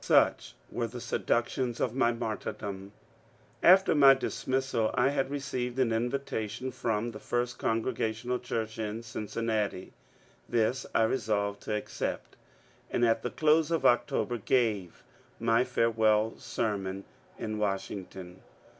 Such were the '^ seductions " of my martyrdom I After my dismissal I had receiyed an inyitation from the First Congregational Church in Cincinnati. This I resolyed to accept, and at the close of October gaye my farewell sermon in Washington.